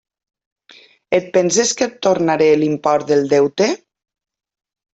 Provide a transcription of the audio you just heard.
Et penses que et tornaré l'import del deute?